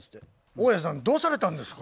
大家さんどうされたんですか？